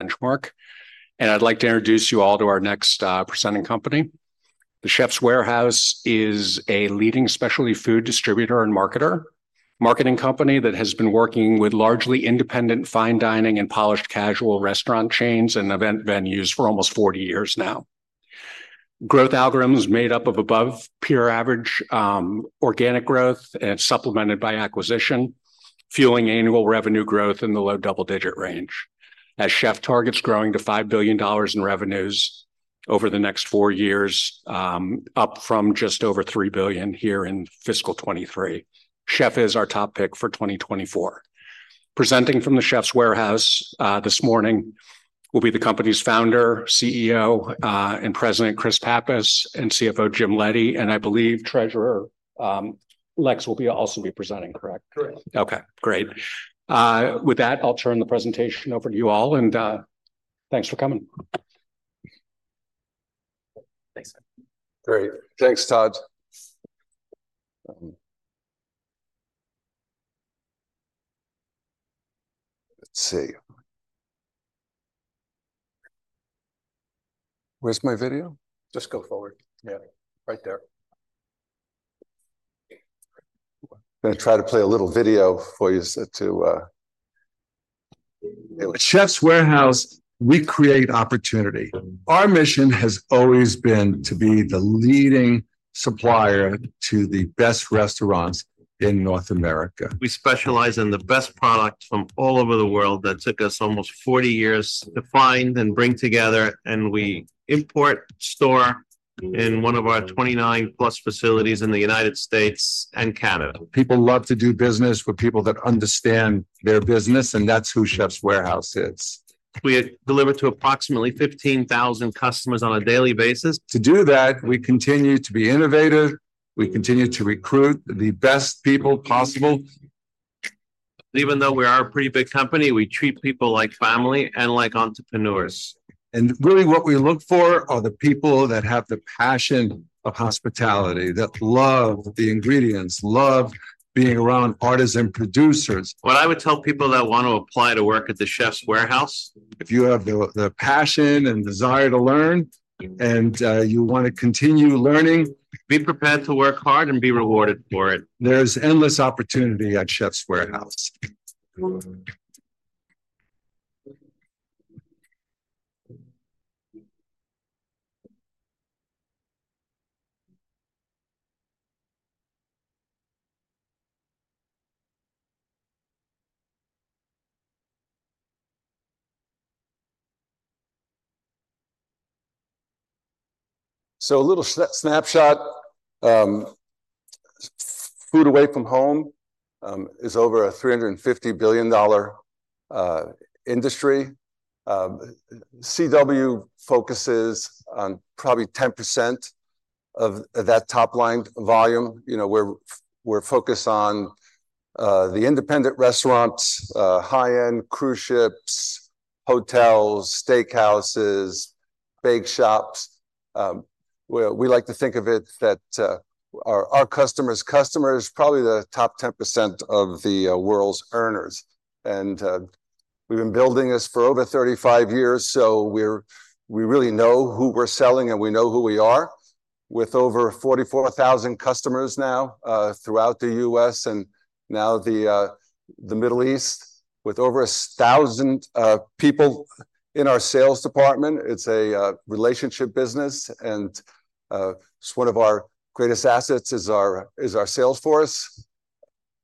Benchmark, and I'd like to introduce you all to our next presenting company. The Chefs' Warehouse is a leading specialty food distributor and marketer, marketing company that has been working with largely independent, fine dining, and polished casual restaurant chains and event venues for almost 40 years now. Growth algorithm is made up of above peer average organic growth and supplemented by acquisition, fueling annual revenue growth in the low double-digit range. As Chef targets growing to $5 billion in revenues over the next four years, up from just over $3 billion here in fiscal 2023. Chef is our top pick for 2024. Presenting from the Chefs' Warehouse this morning will be the company's founder, CEO, and President, Chris Pappas, and CFO, Jim Leddy, and I believe Treasurer, Lex will be also be presenting, correct? Correct. Okay, great. With that, I'll turn the presentation over to you all, and thanks for coming. Thanks. Great. Thanks, Todd. Let's see. Where's my video? Just go forward. Yeah, right there. I'm gonna try to play a little video for you to... At The Chefs' Warehouse, we create opportunity. Our mission has always been to be the leading supplier to the best restaurants in North America. We specialize in the best products from all over the world. That took us almost 40 years to find and bring together, and we import, store in one of our 29+ facilities in the United States and Canada. People love to do business with people that understand their business, and that's who Chefs' Warehouse is. We deliver to approximately 15,000 customers on a daily basis. To do that, we continue to be innovative. We continue to recruit the best people possible. Even though we are a pretty big company, we treat people like family and like entrepreneurs. Really, what we look for are the people that have the passion of hospitality, that love the ingredients, love being around artisan producers. What I would tell people that want to apply to work at The Chefs' Warehouse... If you have the passion and desire to learn, and you want to continue learning- Be prepared to work hard and be rewarded for it. There's endless opportunity at Chefs' Warehouse. So a little snapshot. Food away from home is over a $350 billion industry. CW focuses on probably 10% of that top-line volume. You know, we're focused on the independent restaurants, high-end cruise ships, hotels, steakhouses, bake shops. Well, we like to think of it that our customers probably the top 10% of the world's earners. And we've been building this for over 35 years, so we really know who we're selling, and we know who we are. With over 44,000 customers now throughout the U.S., and now the Middle East, with over 1,000 people in our sales department. It's a relationship business, and it's one of our greatest assets is our sales force.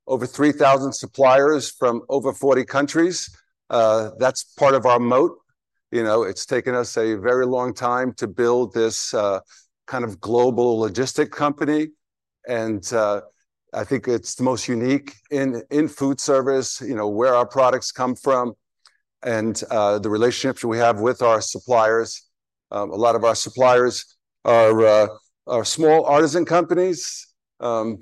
Over 3,000 suppliers from over 40 countries, that's part of our moat. You know, it's taken us a very long time to build this kind of global logistics company, and I think it's the most unique in food service, you know, where our products come from, and the relationships we have with our suppliers. A lot of our suppliers are small artisan companies from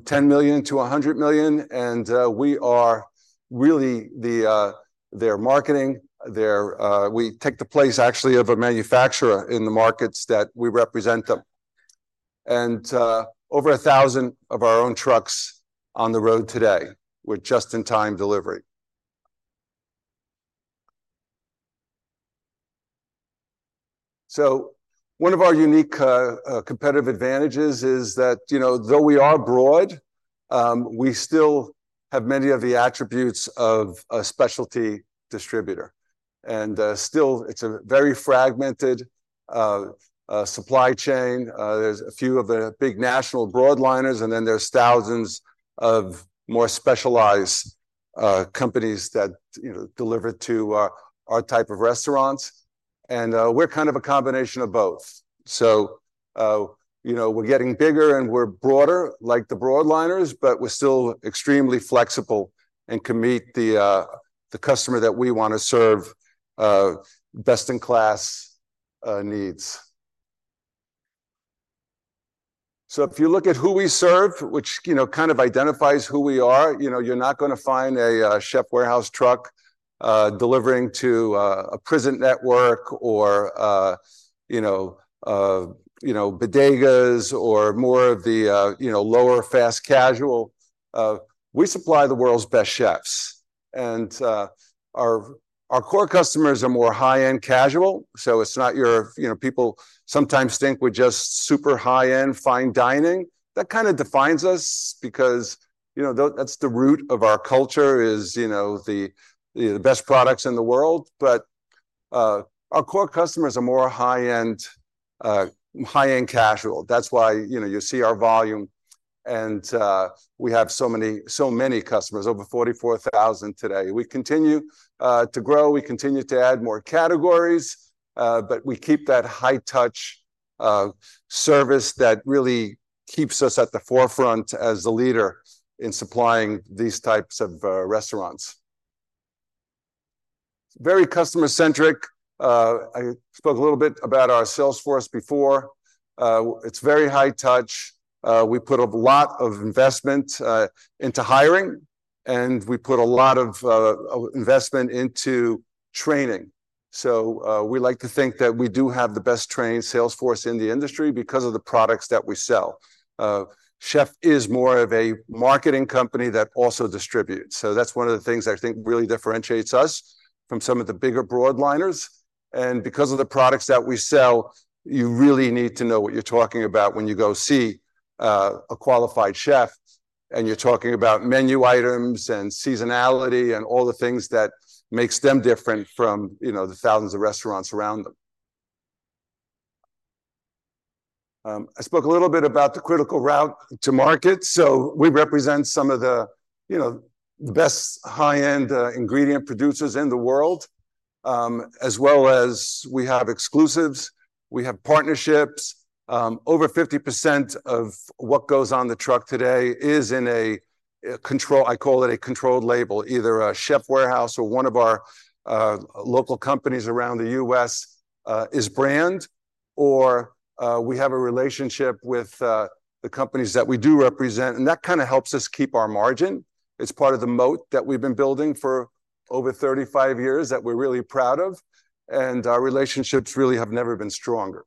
$10 million-$100 million, and we are really the their marketing, their... We take the place, actually, of a manufacturer in the markets that we represent them. And over 1,000 of our own trucks on the road today with just-in-time delivery. So one of our unique competitive advantages is that, you know, though we are broad, we still have many of the attributes of a specialty distributor. And still, it's a very fragmented supply chain. There's a few of the big national broadliners, and then there's thousands of more specialized companies that, you know, deliver to our type of restaurants, and we're kind of a combination of both. So you know, we're getting bigger, and we're broader, like the broadliners, but we're still extremely flexible and can meet the customer that we want to serve best-in-class needs. So if you look at who we serve, which, you know, kind of identifies who we are, you know, you're not gonna find a Chefs' Warehouse truck delivering to a prison network or, you know, bodegas or more of the, you know, lower fast casual. We supply the world's best chefs, and our core customers are more high-end casual. So it's not. You know, people sometimes think we're just super high-end fine dining. That kind of defines us because, you know, that's the root of our culture is, you know, the best products in the world. But our core customers are more high-end high-end casual. That's why, you know, you see our volume and we have so many customers, over 44,000 today. We continue to grow, we continue to add more categories, but we keep that high-touch service that really keeps us at the forefront as the leader in supplying these types of restaurants. Very customer-centric. I spoke a little bit about our sales force before. It's very high touch. We put a lot of investment into hiring, and we put a lot of investment into training. So, we like to think that we do have the best-trained sales force in the industry because of the products that we sell. Chef is more of a marketing company that also distributes, so that's one of the things I think really differentiates us from some of the bigger Broadliners. Because of the products that we sell, you really need to know what you're talking about when you go see a qualified chef, and you're talking about menu items, and seasonality, and all the things that makes them different from, you know, the thousands of restaurants around them. I spoke a little bit about the critical route to market. So we represent some of the, you know, the best high-end ingredient producers in the world, as well as we have exclusives, we have partnerships. Over 50% of what goes on the truck today is in a controlled label, I call it a controlled label, either a The Chefs' Warehouse or one of our local companies around the U.S. is brand, or we have a relationship with the companies that we do represent, and that kind of helps us keep our margin. It's part of the moat that we've been building for over 35 years that we're really proud of, and our relationships really have never been stronger.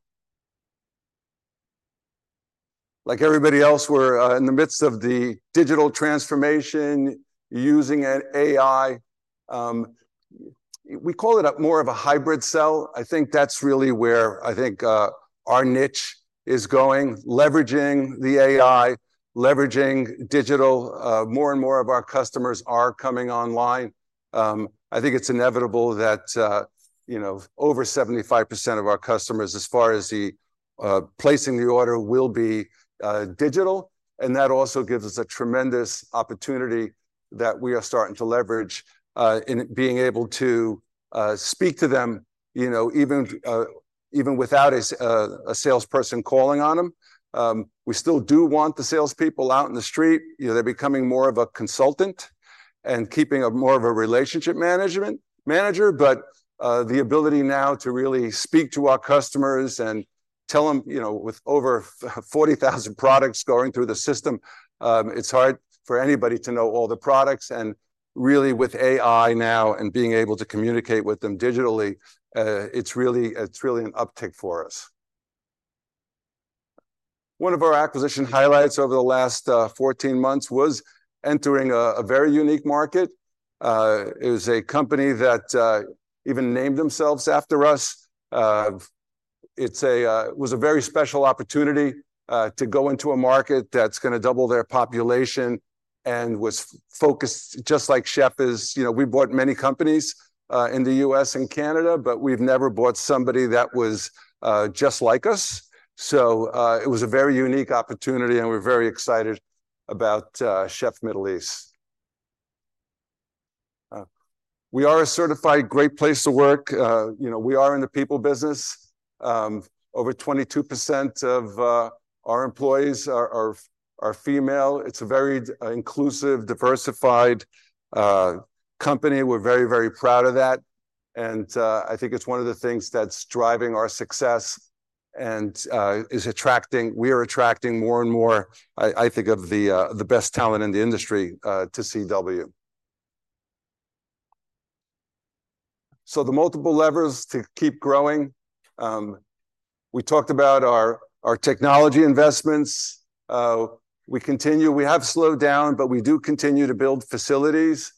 Like everybody else, we're in the midst of the digital transformation, using an AI. We call it a more of a hybrid sell. I think that's really where I think our niche is going, leveraging the AI, leveraging digital. More and more of our customers are coming online. I think it's inevitable that, you know, over 75% of our customers, as far as the placing the order, will be digital, and that also gives us a tremendous opportunity that we are starting to leverage in being able to speak to them, you know, even without a salesperson calling on them. We still do want the salespeople out in the street. You know, they're becoming more of a consultant and keeping more of a relationship manager. But, the ability now to really speak to our customers and tell them, you know, with over 40,000 products going through the system, it's hard for anybody to know all the products, and really with AI now and being able to communicate with them digitally, it's really, it's really an uptick for us. One of our acquisition highlights over the last 14 months was entering a very unique market. It was a company that even named themselves after us. It was a very special opportunity to go into a market that's gonna double their population and was focused, just like Chef is... You know, we bought many companies in the U.S. and Canada, but we've never bought somebody that was just like us. So, it was a very unique opportunity, and we're very excited about Chef Middle East. We are a certified great place to work. You know, we are in the people business. Over 22% of our employees are female. It's a very inclusive, diversified company. We're very, very proud of that, and I think it's one of the things that's driving our success and is attracting—we are attracting more and more, I think, of the best talent in the industry to CW. So the multiple levers to keep growing. We talked about our technology investments. We continue—we have slowed down, but we do continue to build facilities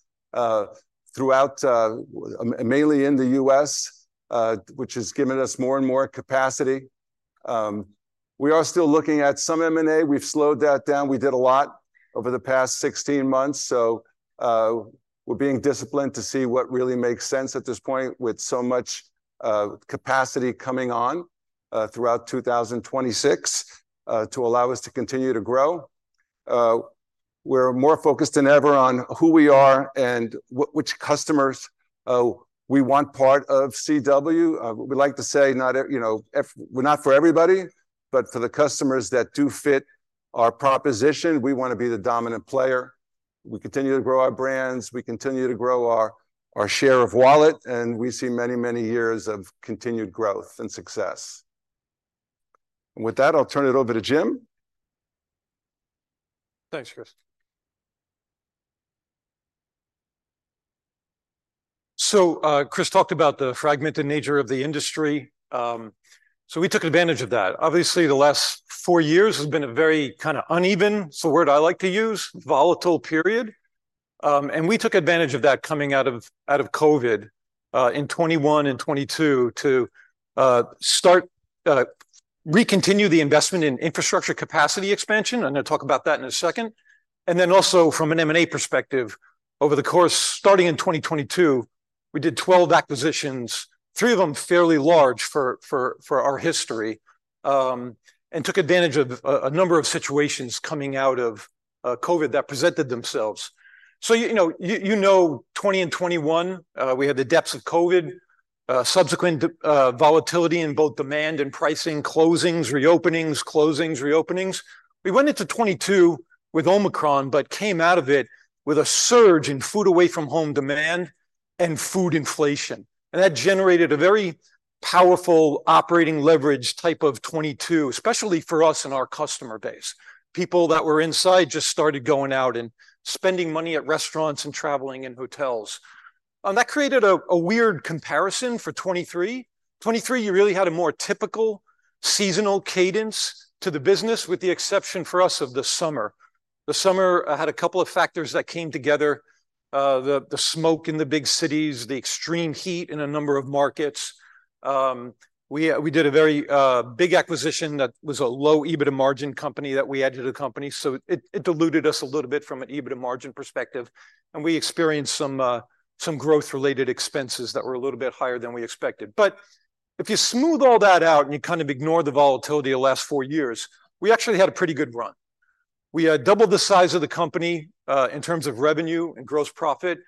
throughout, mainly in the U.S., which has given us more and more capacity. We are still looking at some M&A. We've slowed that down. We did a lot over the past 16 months, so we're being disciplined to see what really makes sense at this point, with so much capacity coming on throughout 2026 to allow us to continue to grow. We're more focused than ever on who we are and which customers we want part of CW. We like to say not every, you know, we're not for everybody, but for the customers that do fit our proposition, we want to be the dominant player. We continue to grow our brands, we continue to grow our share of wallet, and we see many, many years of continued growth and success. And with that, I'll turn it over to Jim. Thanks, Chris. So, Chris talked about the fragmented nature of the industry. So we took advantage of that. Obviously, the last four years has been a very kind of uneven, it's the word I like to use, volatile period. And we took advantage of that coming out of COVID in 2021 and 2022 to start recontinue the investment in infrastructure capacity expansion. I'm gonna talk about that in a second. And then also from an M&A perspective, over the course starting in 2022, we did 12 acquisitions, three of them fairly large for our history, and took advantage of a number of situations coming out of COVID that presented themselves. So, you know, 2020 and 2021, we had the depths of COVID, subsequent volatility in both demand and pricing, closings, reopenings, closings, reopenings. We went into 2022 with Omicron, but came out of it with a surge in food away from home demand and food inflation, and that generated a very powerful operating leverage type of 2022, especially for us and our customer base. People that were inside just started going out and spending money at restaurants and traveling in hotels. And that created a weird comparison for 2023. 2023, you really had a more typical seasonal cadence to the business, with the exception for us of the summer. The summer had a couple of factors that came together. The smoke in the big cities, the extreme heat in a number of markets. We did a very big acquisition that was a low EBITDA margin company that we added to the company, so it diluted us a little bit from an EBITDA margin perspective, and we experienced some growth-related expenses that were a little bit higher than we expected. But if you smooth all that out, and you kind of ignore the volatility of the last four years, we actually had a pretty good run. We doubled the size of the company in terms of revenue and gross profit.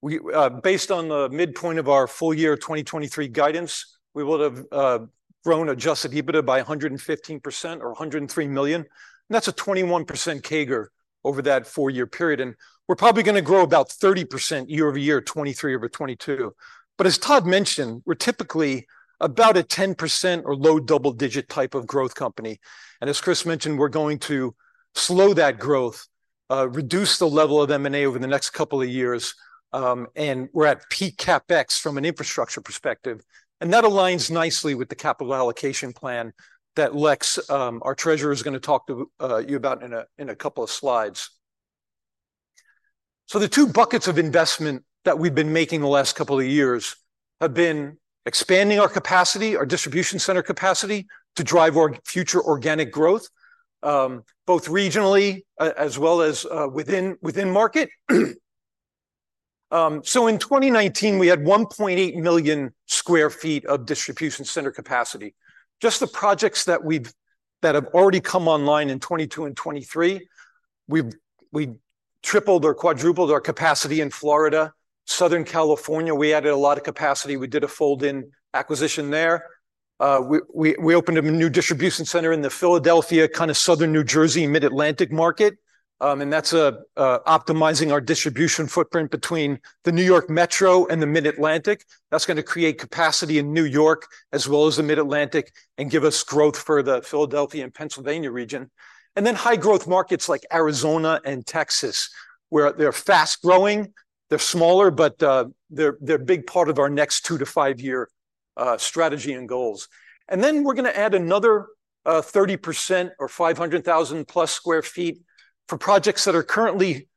We based on the midpoint of our full year 2023 guidance, we would have grown adjusted EBITDA by 115% or $103 million, and that's a 21% CAGR over that four-year period, and we're probably gonna grow about 30% year-over-year, 2023 over 2022. But as Todd mentioned, we're typically about a 10% or low double-digit type of growth company, and as Chris mentioned, we're going to slow that growth, reduce the level of M&A over the next couple of years, and we're at peak CapEx from an infrastructure perspective. And that aligns nicely with the capital allocation plan that Lex, our treasurer, is gonna talk to you about in a couple of slides. So the two buckets of investment that we've been making the last couple of years have been expanding our capacity, our distribution center capacity, to drive future organic growth, both regionally, as well as within market. So in 2019, we had 1.8 million sq ft of distribution center capacity. Just the projects that have already come online in 2022 and 2023, we've tripled or quadrupled our capacity in Florida. Southern California, we added a lot of capacity. We did a fold-in acquisition there. We opened up a new distribution center in the Philadelphia, kind of southern New Jersey, Mid-Atlantic market. And that's optimizing our distribution footprint between the New York Metro and the Mid-Atlantic. That's gonna create capacity in New York as well as the Mid-Atlantic and give us growth for the Philadelphia and Pennsylvania region. And then high-growth markets like Arizona and Texas, where they're fast-growing, they're smaller, but they're a big part of our next 2 year-5-year strategy and goals. And then we're gonna add another 30% or 500,000+ sq ft for projects that are currently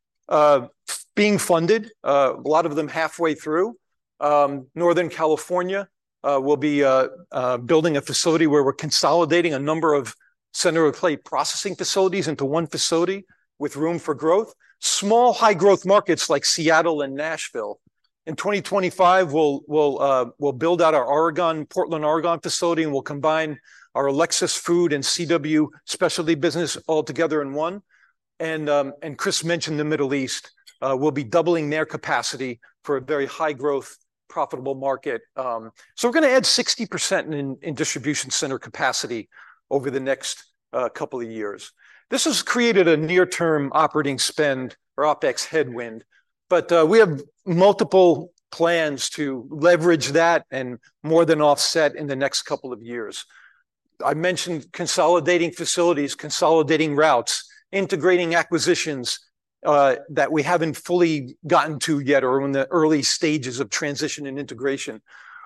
being funded, a lot of them halfway through. Northern California, we'll be building a facility where we're consolidating a number of center-of-plate processing facilities into one facility with room for growth. Small, high-growth markets like Seattle and Nashville. In 2025, we'll build out our Portland, Oregon, facility, and we'll combine our Alexis Foods and CW Specialty business all together in one. And Chris mentioned the Middle East. We'll be doubling their capacity for a very high-growth, profitable market. So we're gonna add 60% in distribution center capacity over the next couple of years. This has created a near-term operating spend or OpEx headwind, but we have multiple plans to leverage that and more than offset in the next couple of years. I mentioned consolidating facilities, consolidating routes, integrating acquisitions that we haven't fully gotten to yet or are in the early stages of transition and integration.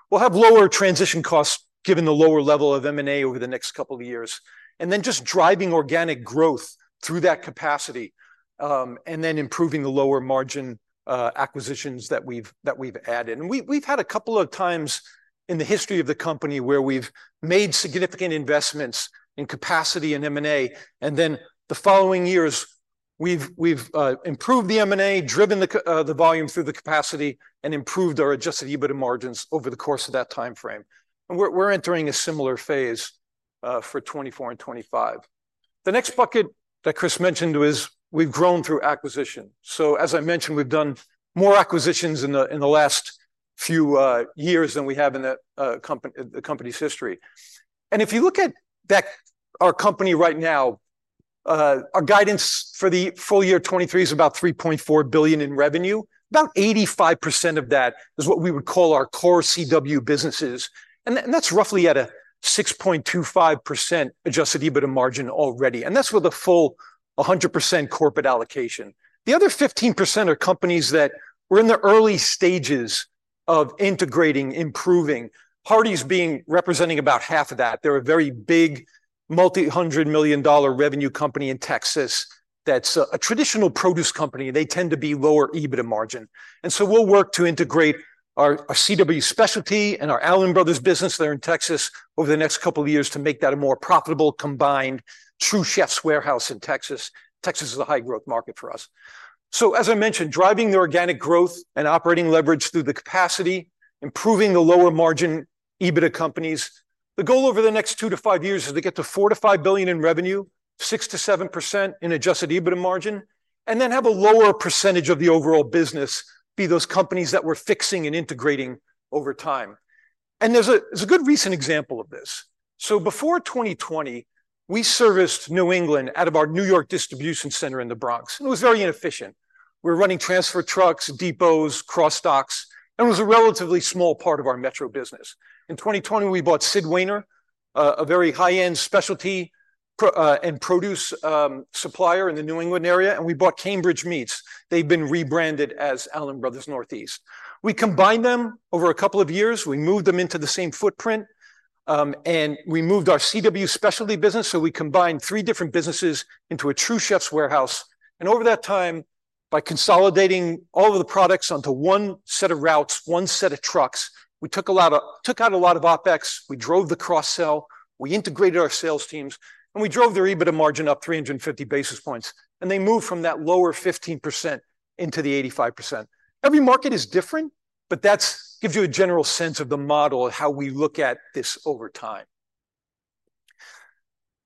We'll have lower transition costs, given the lower level of M&A over the next couple of years, and then just driving organic growth through that capacity, and then improving the lower margin acquisitions that we've added. We've had a couple of times in the history of the company where we've made significant investments in capacity and M&A, and then the following years, we've improved the M&A, driven the volume through the capacity, and improved our Adjusted EBITDA margins over the course of that time frame. We're entering a similar phase for 2024 and 2025. The next bucket that Chris mentioned was we've grown through acquisition. So as I mentioned, we've done more acquisitions in the last few years than we have in the company's history. And if you look at that... our company right now, our guidance for the full year 2023 is about $3.4 billion in revenue. About 85% of that is what we would call our core CW businesses, and that's roughly at 6.25% Adjusted EBITDA margin already, and that's with a full 100% corporate allocation. The other 15% are companies that were in the early stages of integrating, improving, Hardy's being, representing about half of that. They're a very big, $multi-hundred million revenue company in Texas that's a traditional produce company. They tend to be lower EBITDA margin. And so we'll work to integrate our CW specialty and our Allen Brothers business there in Texas over the next couple of years to make that a more profitable, combined, True Chefs' Warehouse in Texas. Texas is a high-growth market for us. So, as I mentioned, driving the organic growth and operating leverage through the capacity, improving the lower margin EBITDA companies. The goal over the next 2 years-5 years is to get to $4 billion-$5 billion in revenue, 6%-7% in Adjusted EBITDA margin, and then have a lower percentage of the overall business be those companies that we're fixing and integrating over time. There's a good recent example of this. Before 2020, we serviced New England out of our New York distribution center in the Bronx, and it was very inefficient. We were running transfer trucks, depots, cross docks, and it was a relatively small part of our metro business. In 2020, we bought Sid Wainer, a very high-end specialty produce supplier in the New England area, and we bought Cambridge Meats. They've been rebranded as Allen Brothers Northeast. We combined them over a couple of years. We moved them into the same footprint, and we moved our CW Specialty business, so we combined three different businesses into a true The Chefs' Warehouse. Over that time, by consolidating all of the products onto one set of routes, one set of trucks, we took out a lot of OpEx, we drove the cross-sell, we integrated our sales teams, and we drove their EBITDA margin up 350 basis points, and they moved from that lower 15% into the 85%. Every market is different, but that gives you a general sense of the model, how we look at this over time.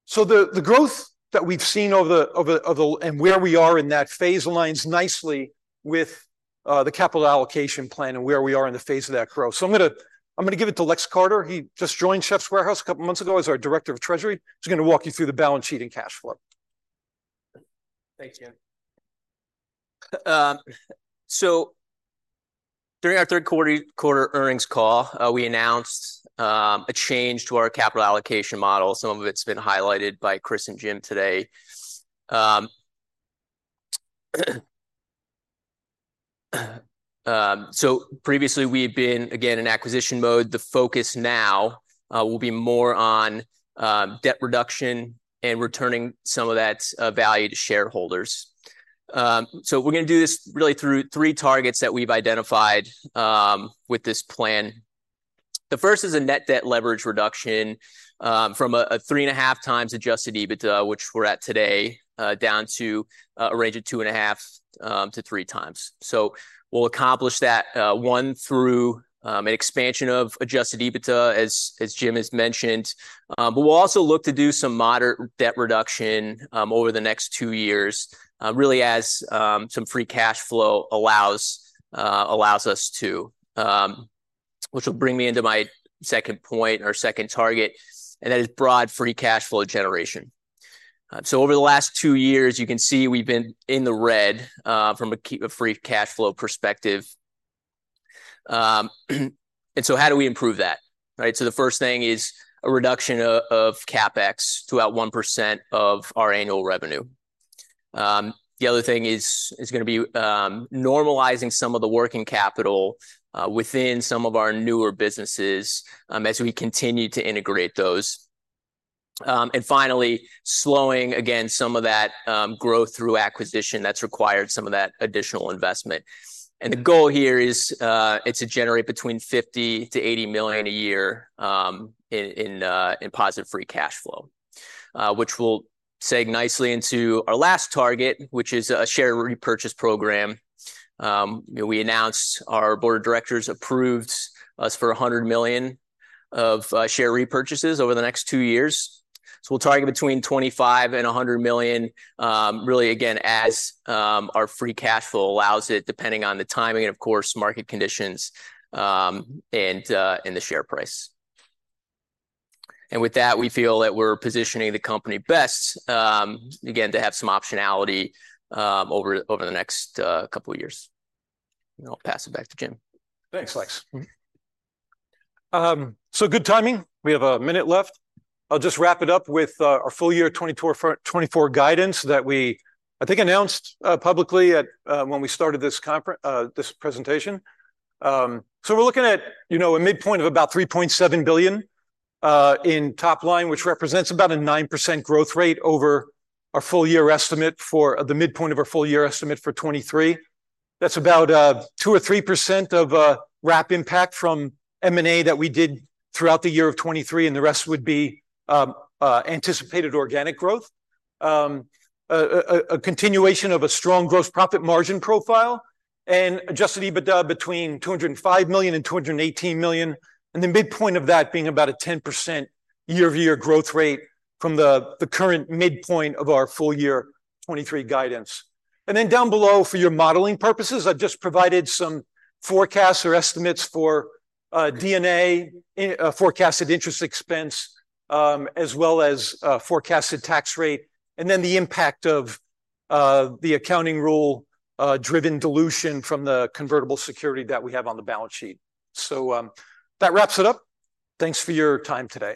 So the growth that we've seen over the... and where we are in that phase aligns nicely with the capital allocation plan and where we are in the phase of that growth. I'm gonna give it to Lex Carter. He just joined The Chefs' Warehouse a couple months ago as our Director of Treasury. He's gonna walk you through the balance sheet and cash flow. Thank you. So during our third quarter earnings call, we announced a change to our capital allocation model. Some of it's been highlighted by Chris and Jim today. So previously, we've been, again, in acquisition mode. The focus now will be more on debt reduction and returning some of that value to shareholders. So we're gonna do this really through three targets that we've identified with this plan. The first is a net debt leverage reduction from a 3.5x Adjusted EBITDA, which we're at today, down to a range of 2.5x-3x. So we'll accomplish that one through an expansion of Adjusted EBITDA, as Jim has mentioned. But we'll also look to do some moderate debt reduction over the next two years, really as some free cash flow allows us to. Which will bring me into my second point or second target, and that is broad free cash flow generation. So over the last two years, you can see we've been in the red from a free cash flow perspective. And so how do we improve that? Right, so the first thing is a reduction of CapEx to about 1% of our annual revenue. The other thing is gonna be normalizing some of the working capital within some of our newer businesses as we continue to integrate those. And finally, slowing again some of that growth through acquisition that's required some of that additional investment. The goal here is to generate between $50 million-$80 million a year in positive free cash flow. Which will segue nicely into our last target, which is a share repurchase program. We announced our board of directors approved us for $100 million of share repurchases over the next 2 years. So we'll target between $25 million and $100 million, really, again, as our free cash flow allows it, depending on the timing, and of course, market conditions, and the share price. And with that, we feel that we're positioning the company best, again, to have some optionality, over the next couple of years. And I'll pass it back to Jim. Thanks, Lex. So good timing. We have a minute left. I'll just wrap it up with our full year 2022 or 2024 guidance that we, I think, announced publicly at when we started this presentation. So we're looking at, you know, a midpoint of about $3.7 billion in top line, which represents about a 9% growth rate over our full year estimate for the midpoint of our full year estimate for 2023. That's about 2% or 3% of RAP impact from M&A that we did throughout the year of 2023, and the rest would be anticipated organic growth. A continuation of a strong gross profit margin profile and adjusted EBITDA between $205 million and $218 million, and the midpoint of that being about a 10% year-over-year growth rate from the current midpoint of our full year 2023 guidance. And then down below, for your modeling purposes, I've just provided some forecasts or estimates for D&A, forecasted interest expense, as well as forecasted tax rate, and then the impact of the accounting rule driven dilution from the convertible security that we have on the balance sheet. So, that wraps it up. Thanks for your time today.